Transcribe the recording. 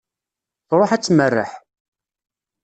Truḥ ad tmerreḥ.